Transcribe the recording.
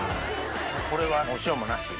これはお塩もなし？